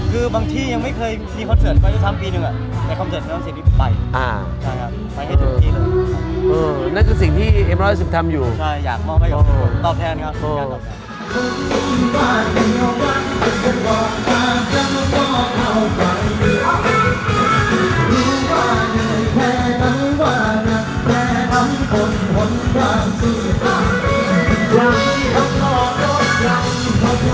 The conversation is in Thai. คือบางที่ยังไม่เคยมีคอนเซิร์ตไปเยอะช้ำปีนึงแต่คอนเซิร์ตมีคอนเซิร์ตที่เราสามารถไป